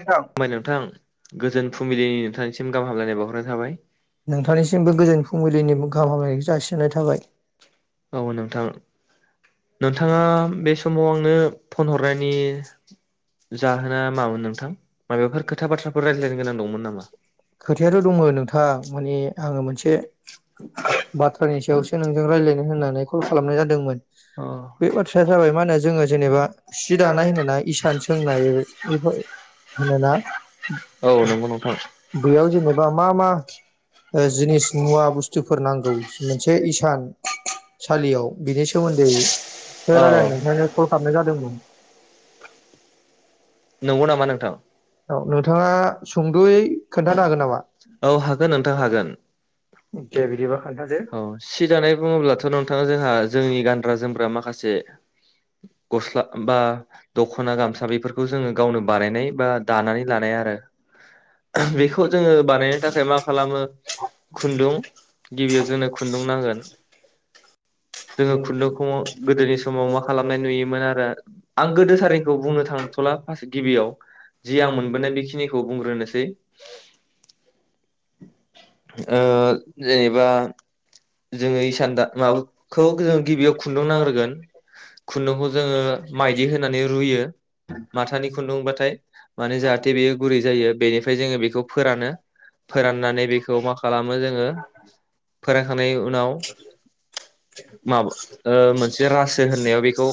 नोंथां नोंथां गोजोन फुंबिलिनि नोंथांनिसिम गाहाम हामलायनाय बावहरनाय थाबाय। नोंथांनिसिमबो गोजोन फुंबिलिनि गाहाम हामलायखौ जासि हरनाय जाबाय, औ नोंथां। नोंथाङा बे समाव आंनो फन हरनायनि जाहोना मामोन नोंथां? माबाफोर खोथा बाथ्राफोर रायज्लायनो गोनां दंमोन नामा खोथायाथ दङ नोंथां माने आङो मोनसे बाथ्रानि सायावसो नोंजों रायलायनो होननानै कल खालामनाय जादोंमोन। अ बे बाथ्राया जाबाय मा होनो जोङो जेनेबा सि दानाय होनोना इसान सोंनाय इ इफोर मोनोना औ नंगौ नोंथां बेयाव जेनेबा मा मा ओ जिनिस मुवा बुस्थुफोर नांगौ मोनसे इसान सालियाव बिनि सोमोन्दै बे औ रायलायनो ओंखायनो कल खालामनाय जादोंमोन। नंगौ नामा नोंथां? औ नोंथाङा सुंद'यै खोन्थानो हागोन नामा औ हागोन नोंथां हागोन दे बिदिबा खोन्थादो औ सि दानाय बुङोब्लाथ' नोंथाङा जोंहा जोंनि गानग्रा जोमग्रा माखासे [inaudible] गस्ला बा दख'ना गामसा बेफोरखौ जोङो गावनो बानायनाय बा दानानै एआरो बेखौ जोङो बानायनो थाखाय मा खालामो खुन्दुं गिबियाव जोंनो खुन्दुं नांगोन जोङो खुन्दुंखौ गोदोनि समाव मा खालामनाय नुयो दा आं गोदो थारनिखौ बुंनो थांथ'ला फास गिबियाव जि आं मोन मोने गोदो बेखिनिखौ बुंग्रोनोसै ओ जेनेबा जोङो इसान दा माबाखौ गोजोन गिबियाव खुन्दुं नांग्रोगोन खुन्दुंखौ जोङो माइदि होनानै रुयो माथानि खुन्दुंबाथाय माने जाहाथ जाहाथे बेयो गुरै जायो बेनिफ्राय जोङो बेखौ फोरानो फोराननानै बेखौ मा खालामो जोङो फोरानखांनायनि फोरानखांनाय उनाव मा ओ मोनसे रासो होननायाव बेखौ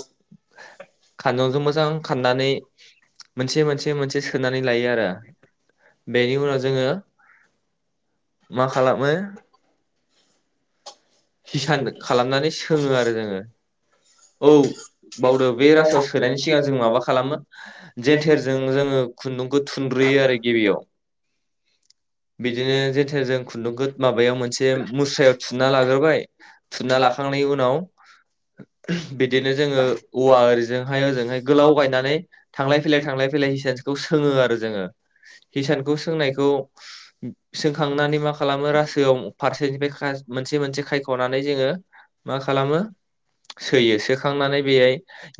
खानजंजों मोजां खाननानै मोनसे मोनसे मोनसे नानै लायो आरो बेनि उनाव जोङो मा खालामो हिसान खालामनानै सोङो आरो जोङो औ बावदों बे रासोआव सोनायनि सिगां जों माबा खालामो जेेनथेरजों जोङो खुन्दुंखौ जेसनजों थुनग्रोयो खुंग्रोयो आरो गिबियाव बिदिनो जेनथेर जों खुन्दुंखो माबायाव मोनसे मुस्रायाव थुनना लाग्रोबाय लाखांनायनि थुनना लाखांनायनि उनाव बिदि बिदिनो जोङो औवा ओरैजोंहाय ओजोंहाय गोलाव गायनानै थांलाय फैलाय थांलाय फैलाय हिसान खौ सोङो आरो जोङो। हिसानखौ सोंनायखौ सोंखांनानै मा खालामो रासोआव बाख्रियाव फारसेनिफ्राय खा मोनसे मोनसे खायख'नानै जोङो मा खालामो सोयो सोखांनानै बेहाय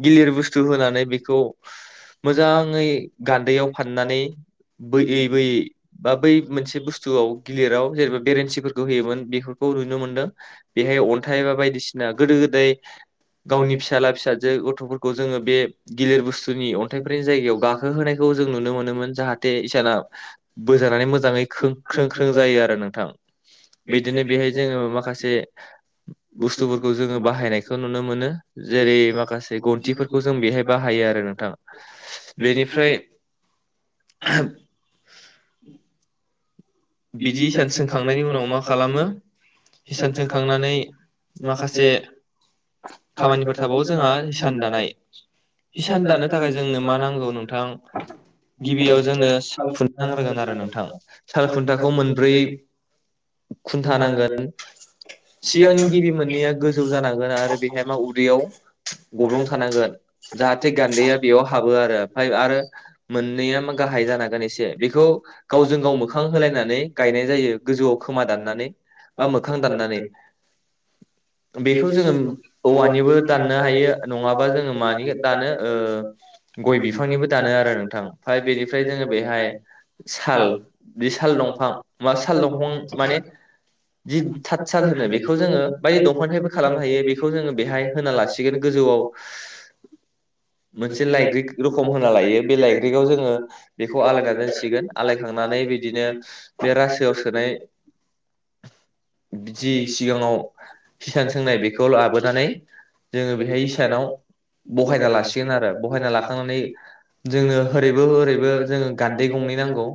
गिलिर बुस्थु होनानै बेखौ दैखौ मोजाङै गान्दैयाव हाथायाव सारनानै फाननानै बै बोयै दै बै बोयै बा बै बुस्थुआव बुस्थुआव गिलिर गिलिराव जेनेबा बेरेन्सिफोरखौ होयोमोन बेफोरखौ नुनो मोनदों बेहाय अन्थाइ बा बायदिसिना गोदो गोदाय गावनि फिसाला फिसाजो गथफोरखौ जोङो बे गिलिर बुस्थुनि अन्थाइफोरनि जायगायाव गाखो होनायखौ जों नुनो मोनोमोन जाहाथे इसाना बोजानानै मोजाङै ख्रों ख्रों जायो आरो नोंथां बे बिदिनो बेहाय जोङो माखासे हिसान बुस्थुफोरखौ जोङो बाहायनायखौ नुनो मोनो जेरै माखासे गन्थिफोरखौ जों बेहाय बाहायो आरो नोंथां बेनिफ्राय बिदि हिसान सोंखांनायनि उनाव मा खालामो हिसान सोंखांनानै माखासे खामानिफोर थाबावो जोंहा हिसान दानाय हिसान दानो थाखाय जोंनो मा नांगौ नोंथां गिबियाव जोंनो खुन नांग्रोगोन आरो नोंथां सालखुन्था खौ मोनब्रै खुन्था नांगोन सिगांनि गिबि मोननैया गोजौ जानांगोन आरो बेहाय मा उदैयाव गब्लं थानांगोन जाहाथे गान्दैया बेयाव हाबो आरो ओमफाय आरो मोननैया मा गाहाय जानांगोन एसे बेखौ गावजों गाव मोखां होलाय होनानै नै गायनाय जायो गोजौआव गोजौवाव खोमा खोमाना दाननानै बा मोखां दाननानै बेखौ जोङो औवानिबो दाननो हायो नङाबा जोङो मानि दानो ओ गय बिफांनिबो दानो आरो नोंथां ओमफाय बेनिफ्राय जोङो बेहाय साल बे साल थारलं फां मा साल दंफां माने जि थाथ साल होनो थाथारनांगोन बे बेखौ जोङो बै बायदि दंफांनिफ्रायबो खालामनो हायो बेखौ जोंङो बेहाय दंफांनिफ्राय होना लासिगोन गोजौवाव मोनसे लायग्रिख रखम होना लायो बे लायग्रिखआव जोङो बेखौ आलायना आलादा दोनसिगोन जासिगोन आलायखांनानै बिदि [unintelligible] बे रासोआव सोनाय जि सिगाङाव हिसान सोंनाय बेखौ लाबोनानै जोङो बेहाय इसानाव बहायना लासिगोन आरो बहायना लाखांनानै जोंनो ओरैबो ओरैबो जोंङो गान्दै गंनै नांगौ।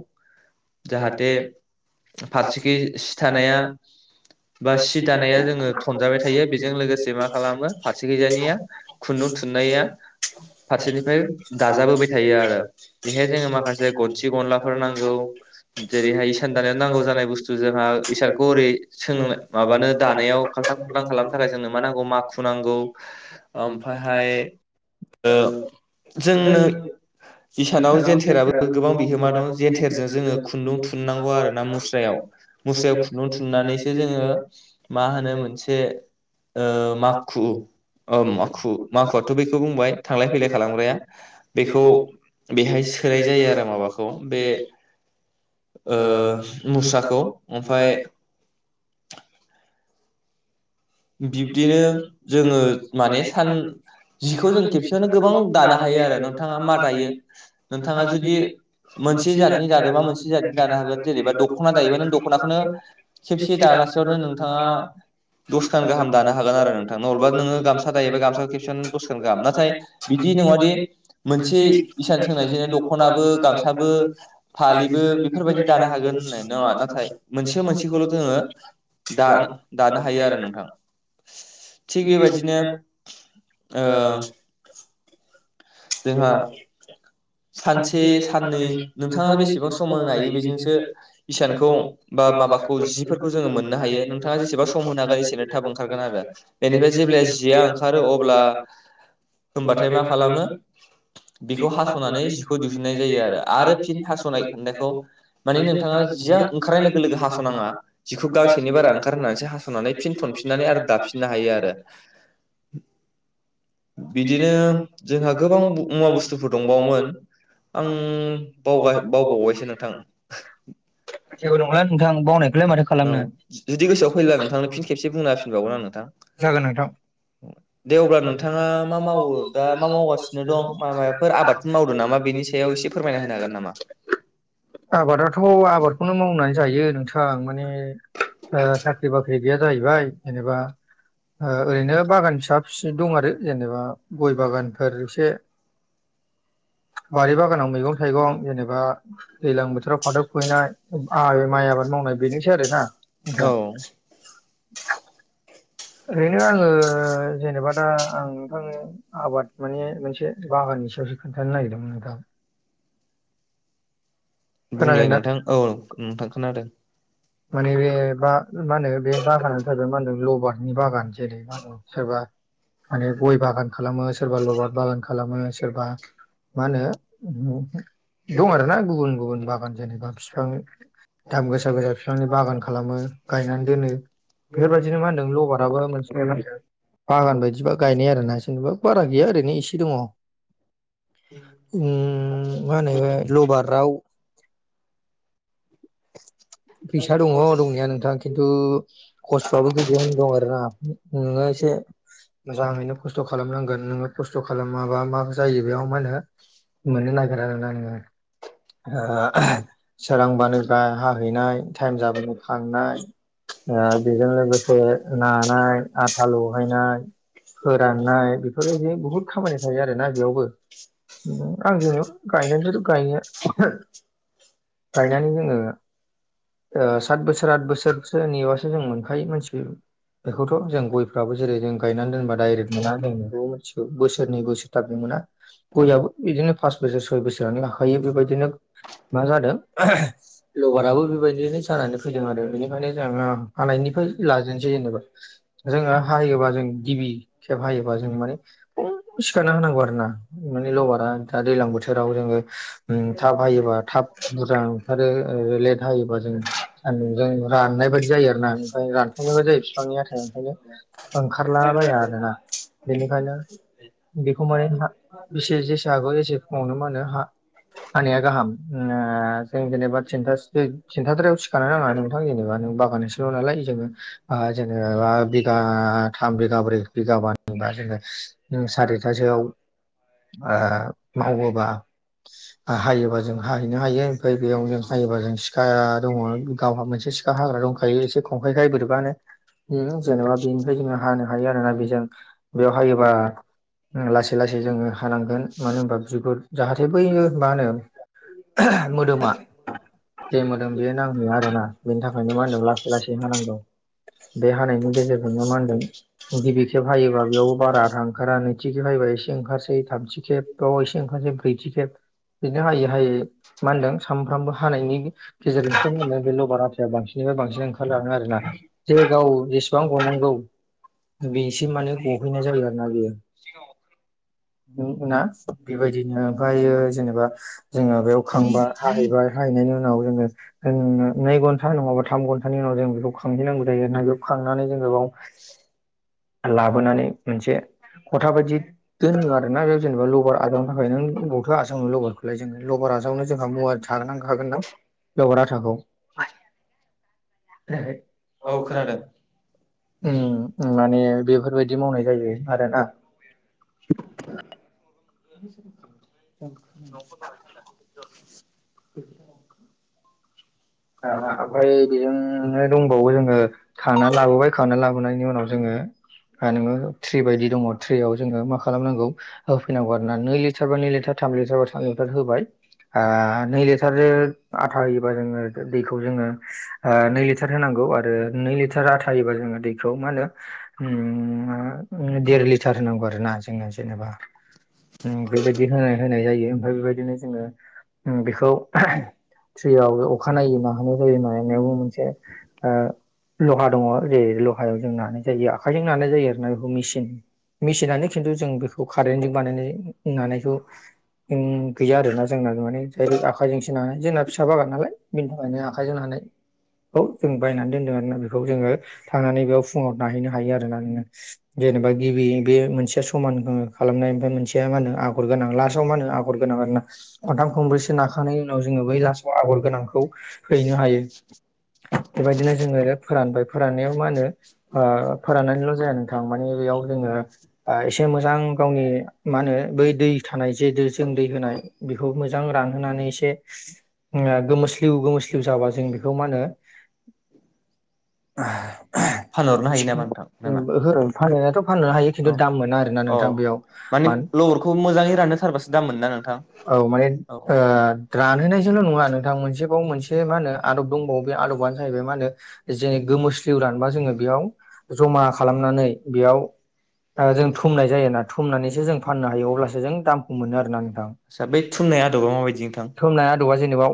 जाहाथे फारसेखै सि थानाया बा सि दानाया जोङो थनजाबाय थायो बेजों लोगोसे मा खालामो फारसे खैजानिया खुन्दुं थुननाया फारसेनिफ्राय दाजाबोबाय थायो आरो बेहाय जोङो माखासे गनसि गनलाफोर नांगौ। जेरैहाय दानायाव नांगौ जानाय बुस्थु जोंहा इसानखौ ओरै सों माबानो दानायाव खालथां खुलथां खालामनो थाखाय जोंनो मा नांगौ माखु नांगौ ओमफायहाय ओ जोंनो जों इसानाव जेन्थोराबो गोबां बिहोमा दं जेन्थोरजों जोङो खुन [unintelligible] आरो ना मुस्रायाव मुस्रायाव खुन्दुं थुंननानैसो जोङो मा होनो मोनसे ओ माखु ओ माखु माखुआथ बेखौ बुंबाय थांलाय फैलाय खालामग्राया बेखौ बेहाय सोनाय जायो आरो माबाखौ बे ओ मुस्राखौ ओमफाय ओमफ्राय बिब्दिनो जोङो माने सान जिखौ जों खेबसेयावनो गोबां दानो हायो आरो नोंथाङा मा दायो नोंथाङा जुदि मोनसे जातनि दादोंबा मोनसे जतनि दानो हागोन जेनेबा दखना दायोबा नों दखनाखौनो नोंथाङा खेबसे दागासेयावनो नोंथाङा दसखान गाहाम दानो हागोन आरो नोंथां अबा नोङो गामसा दायोबा गामसा खेबसेयावनो दसखान गाहाम नाथाय बिदि नङादि मोनसे इसान सोंनाय जोंनो दखनाबो गामसाबो फालिबो बेफोरबायदि दानो हागोन होननाय नङा नाथाय मोनसे मोनसेखौल जोङो दानो हायो आरो। नोंथां थिग बेबायदिनो ओ जोंहा बेमार। सानसे साननै नोंथाङा बेसेबां सम होनो हायो बेजोंसो इसानखौ बा माबाखौ जिफोरखौ जोङो मोननो हायो नोंथाङा जेसेबां सम होनो हागोन एसेनो थाब ओंखारगोन आरो बेनिफ्राय जेब्ला जिया गैया नोंथां ओंखारो अब्ला होमबाथाय मा खालामो बेखौ हास खौ दिहुननाय जायो आरो आरो फिन हासनाय होननायखौ माने नोंथाङा आरो जिया ओंखारनाय लोगो लोगो हासनाङा जिखौ गांसेनि बारा ओंखार होननानैसो हासनानै फिन थनफिननानै आरो दाफिननो हायो आरो बिदिनो जोंहा गोबां मुवा बुस्थुफोर दंबावोमोन आं बाव बावबायसो नोंथां जेबो नंला नोंथां बावनायखौलाय माथो औ खालामनो जुदि गोसोआव फैब्ला नोंथांनो फिन खेबसे बुंना होफिनबावगोन आं नोंथां जागोन नोंथां दे अब्ला नोंथाङा मा मावो दा मा मावगासिनो दं मा माया [unintelligible] [inaudible] होनो हागोन नामा आबादाथ आबादखौनो मावनानै जायो नोंथां माने ओ साख्रि बाख्रि गैया जाहैबाय जेनेबा ओरैनो बागान फिसा फिसु दं आरो जेनेबा गय बागानफोर एसे बारि बागानाव मैगं थाइगं जेनेबा दैजलां बोथोराव फाथो खुबैनाय आ माइ आबाद मावनाय बेजोंसै आरोना औ नोंथां। ओरैनो आङो जेनेबा दा आं नोंथांनो आबाद माने मोनसे बागाननि सायावसो खोन्थानो नागिरदोंमोन नोंथां। खोनादों बुंलाय दा नोंथां औ नोंथां खोनादों। माने बे बा मा होनो बे बागानानो थाबबाय मा होनदों लबारनि बागान जेरै मा होनो सोरबा माने गय बागान खालामो सोरबा लबार बागान खालामो। सोरबा मा होनो दं आरोना गुबुन गुबुन बागान जेनेबा बिफां दाम गोसा गोसा। बिफांनि बागान खालामो गायनानै दोनो बेफोरबायदिनो मा होनदों लबाराबो मोनसे बागान बायदिबा गायनाय आरोना जेनेबा बारा गैया ओरैनो इसे दङ। ओम मा होनो लबाराव फैसा दङ दंनाया नोंथां खिन्थु खस्थआबो गोगोम दं आरोना नोङो एसे मोजाङैनो खस्थ खालामनांगोन नोङो खस्थ खालामाबा मा जायो बेयाव मा होनो मोननो नागिरा आरोना नोङो आ सोरां बानो [unintelligible] हाहैनाय टाइम जाबानो खांनाय बेजों लोगोसे नानाय आथा लगायनाय फोराननाय बेफोरबायदि बुहुद खामानि थायो आरोना बेयावबो। [unintelligible] गायनानै जोङो। ओ साद बोसोर आद बोसोरसो नेबासो जों मोनखायो मोनसिगौ बेखौथ', जों गयफ्राबो जेरै जों गायनानै दोनबा डाइरेक्ट मोना जों बेखौबो मिथिगौ बोसोरनै बोसोर थामजों मोना गयाबो बिदिनो पास बोसोर सय बोसोरानो लाखायो बेबायदिनो मा जादों [unintelligible] लबाराबो बेबायदिनो जानानै फैदों आरो बेनिखायनो जोंङो हानायनिफ्राय लाजेनसै जेनेबा जोङो हायोबा जों गिबि खेब हायोबा जों माने फुङावनो सिखारना होनांगौ आरो ना माने लबारा दा दैलां बोथोराव जोङो थाब हायोबा थाब बुरजां ओंखारो ओ लेट हायोबा सानदुंजों राननाय बायदि जायो आरोना ओंखायनो रानफुंला जायो बिफांनि आथाया ओंखायनो ओंखारला बाया आरोना बेनिखायनो बेखौ माने हा बेसे जेसे हागौ एसे फुङावनो मा होनो हा हानाया गाहाम जों जेनेबा [unintelligible] थिन्थाद्रायाव सिखानो नाङा नोंथां जेनेबा नों बागान एसेल' नालाय जोङो जेनेबा बिगाथाम बिगाब्रै बिगाबानिबा जोङो सारिथासोआव आ मावोबा हायोबा जों हाहैनो हायो ओमफाय बेयाव हायोबा जों सिखा दङ गावहा मोनसे सिखा हाग्रा दंखायो एसे खंखाइखाय बोरैबानो उम जेनेबा बेनिफ्राय जोङो हानो हायो आरोना बेजों बेयाव हायोबा हा लासै लासै जोङो हानांगोन मानो होनबा बिगुर जाहाथे बैयो मा होनो [unintelligible] मोदोमा जे मोदोम बेयो नांहैया आरोना बेनि थाखायनो मा होनदों लासै लासै होनांगौ। बे हानायनि गेजेरजोंनो मा होनदों गिबि खेब हायोबा बेयाव बारा रा ओंखारा नैथि खेब हायोबा एसे ओंखारसै थामथि खेबाव एसे ओंखारसै ब्रैथि खेब बिदिनो हायै हायै मा होनदों सानफ्रामबो खानायनि गेजेरजों [unintelligible] बे लबार आथाया बांसिननिफाय बांसिन ओंखारलाङो आरोना गाव जेसेबां गनांगौ बेसिम माने गहैनाय जायो आरोना बेयो उम ना बेबायदिनो ओमफायो जेनेबा जोङो बेयाव खांबा हाहैबाय हाहैनायनि उनाव जोङो ओं नै घन्टा नङा थाम घन्टानि उनाव जों बेखौ खांहैनांगौ जायो आरोना बेयाव खांनानै जोङो बाव लाबोनानै मोनसे खथा बादि दोनो आरोना बेव जेनेबा लबार आजावनो थाखाय नों अबावथो आजावनो लबारखौलाय जोङो लबार आजावनो जोंहा मुवा [unintelligible] [inaudible] औ खनादों। उम उ माने बेफोरबायदि मावनाय जायो आरोना [unintelligible] ओमफाय बेजोंनो दंबावो जोङो खांना लाबोबाय खांना लाबोनायनि उनाव जोङो नोङो ट्रि बायदि दङ ट्रियाव जोङो मा खालामनांगौ होफैनांगौ आरोना नै लिटार बा नै लिटार थाम लिटार बा थाम लिटार होबाय नै लिटारजों आथा होयोबा जोङो दैखौ जोङो आ नै लिथार होनांगौ आरो नै लिथार आथा होयोबा जोङो दैखौ मा होनो उम देर लिथार होनांगौ आरो ना जोङो जेनेबा उम बेबायदि होनाय होनाय जायो ओमफाय बेबायदिनो जोङो बेखौ थ्रियाव अखानायै नाहोनाय जायो [unintelligible] यावबो मोनसे अह लहा दङ जे लहायाव जों नानाय जायो आखाइजों नानाय जायो आरोना बेखौ मेसिन मेसिनानो खिन्थु जों बेखौ खारेनजों बानायनाय नानायखौ उम गैया आरोना जोंना माने [unintelligible] आखाइजोंसो नानाय जोंना फिसा बागान नालाय बेनि थाखायनो आखाइजों नानायखौ जों बायनानै दोनदों आरोना बेखौ जोङो थांनानै बेयाव फुङाव नाहैनो हायो आरोना नोङो जेनेबा गिबि बे मोनसेया समान खालामनाय ओमफाय मोनसेया मा होनो आगर गोनां लासाव मा होनो आगर गोनां आरोना खनथाम खनब्रैसो नाखांनाय उनाव जोङो बै लासाव आगर गोनां खौ हैनो हायो बेबायदिनो जोङो फोरानबाय फोराननायाव मा होनो अ फोराननानैल जाया नोंथां माने बेयाव जोङो एसे मोजां गावनि मा होनो बै दै थानाय जे दो जों दै होनाय बेखौ मोजां रानहोनानै एसे गोमो [unintelligible] जाबा जों बेखौ मा होनो फानहरनो हायो नामा नोंथां नामा ओहो फानहैनायाथ फान्नो हायो खिन्थु औ दाम मोना आरोना औ नोंथां बेयाव माने मा [inaudible] लबरखौ मोजाङै राननो थारबासो दाम मोनोना नोंथां औ माने औ ओ आदसा रानहैनायजोंल नङा नोंथां बाव मोनसे मा होनो आदब दंबावो बे आदबानो जाहैबाय मा होनो जेनै गोमोस्लिउ रानबा जोङो बेयाव जमा खालामनानै बेयाव आ जों थुमनाय जायोना थुमनानैसो जों फाननो हायो अब्लासो जों दामखौ मोनो आरोना नोंथां बै थुननाय आदबा माबायदि नोंथां थुमनाय आदबा जेनेबा